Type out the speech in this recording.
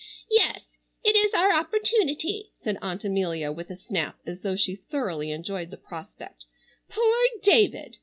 "Yes, it is our opportunity," said Aunt Amelia with a snap as though she thoroughly enjoyed the prospect. "Poor David!"